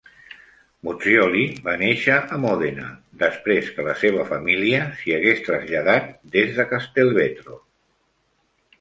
Muzzioli va néixer a Mòdena, després que la seva família s'hi hagués traslladat des de Castelvetro.